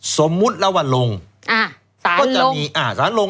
สมมุติแล้วว่าลงอ่ะสารลง